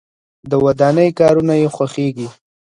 د ودانۍ کارونه یې خوښیږي.